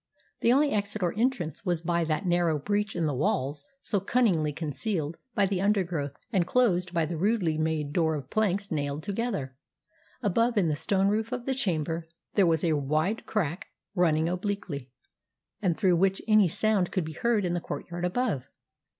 The only exit or entrance was by that narrow breach in the walls so cunningly concealed by the undergrowth and closed by the rudely made door of planks nailed together. Above, in the stone roof of the chamber, there was a wide crack running obliquely, and through which any sound could be heard in the courtyard above.